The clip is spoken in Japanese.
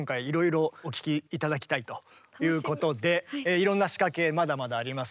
いろんなしかけまだまだあります。